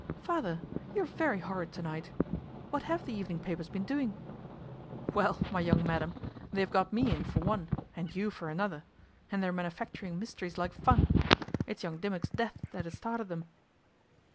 'Father, you're very horrid to night. What have the evening papers been doing?' 'Well, my young madame, they've got me in for one, and you for another; and they're manufacturing mysteries like fun. It's young Dimmock's death that has started 'em.